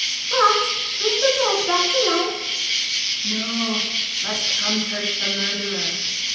"What! bring the dead to life?" "No; but comfort the murderer.